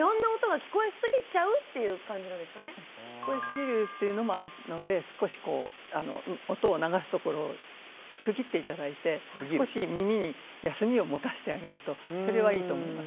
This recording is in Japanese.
聞こえすぎるっていうのもあるので少し音を流すところ区切って頂いて少し耳に休みをもたしてあげるとそれはいいと思います。